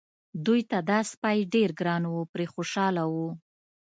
دوی ته دا سپی ډېر ګران و پرې خوشاله وو.